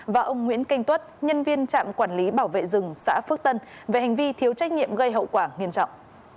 và ông nguyễn kinh tuất nhân viên trạm quản lý bảo vệ rừng xã phước tân về hành vi thiếu trách nhiệm gây hậu quả nghiêm trọng